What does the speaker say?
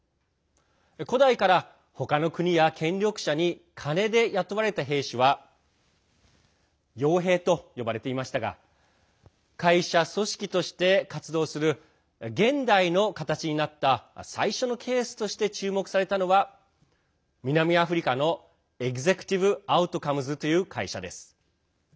古代から、他の国や権力者に金で雇われた兵士はよう兵と呼ばれていましたが会社、組織として活動する現代の形になった最初のケースとして注目されたのは南アフリカのエグゼクティブ・アウトカムズという会社です。